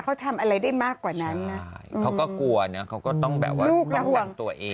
เขาทำอะไรได้มากกว่านั้นนะเขาก็กลัวนะเขาก็ต้องแบบว่าระวังตัวเอง